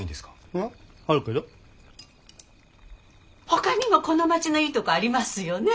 ほかにもこの町のいいとこありますよね？